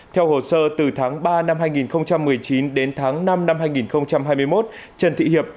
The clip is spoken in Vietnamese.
theo hồ sơ từ tháng ba năm hai nghìn một mươi chín đến tháng năm năm hai nghìn hai mươi một trần thị hiệp